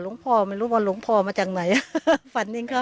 หลวงพ่อไม่รู้ว่าหลวงพ่อมาจากไหนฝันยังคะ